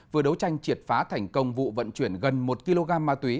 vừa đấu tranh triệt phá thành công vụ vận chuyển gần một kg ma túy